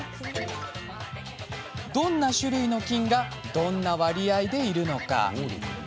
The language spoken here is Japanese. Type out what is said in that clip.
どんな種類の菌がどんな割合でいるのか。